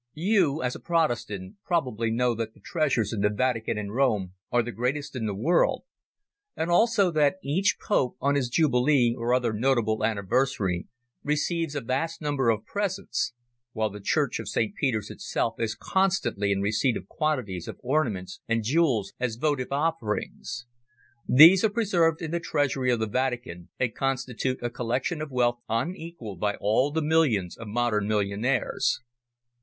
You, as a Protestant, probably know that the treasures in the Vatican in Rome are the greatest in the world, and also that each Pope, on his jubilee or other notable anniversary, receives a vast number of presents, while the church of St. Peter's itself is constantly in receipt of quantities of ornaments and jewels as votive offerings. These are preserved in the treasury of the Vatican, and constitute a collection of wealth unequalled by all the millions of modern millionaires.